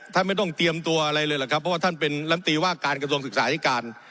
ท่านไม่ต้องเตรียมตัวอะไรเลยหรอกครับเพราะว่าท่านเป็นลำตีว่าการกระทรวงศึกษาธิการ